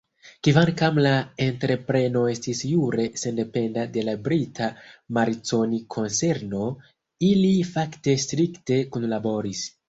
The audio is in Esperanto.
Kvankam la entrepreno estis jure sendependa de la brita Marconi-konserno, ili fakte strikte kunlaboris.